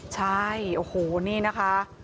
ใช่โอ้โหนี่นะคะ